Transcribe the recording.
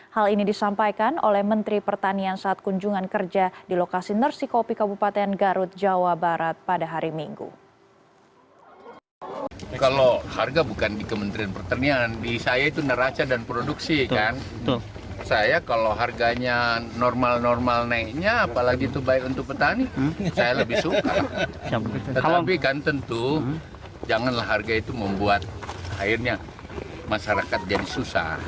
hal ini disampaikan oleh menteri pertanian saat kunjungan kerja di lokasi nersikopi kabupaten garut jawa barat pada hari minggu